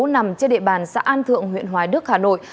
nằm trên địa bàn xã an thượng huyện hoài đức hà nội